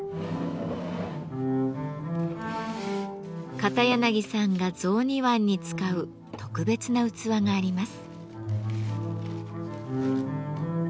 片柳さんが雑煮椀に使う特別なうつわがあります。